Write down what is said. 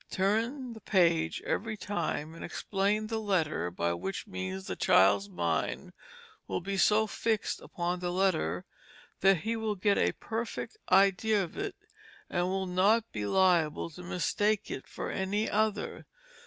Turn the page every time and explain the letter by which means the child's mind will be so fixed upon the letter that he will get a perfect idea of it, and will not be liable to mistake it for any other.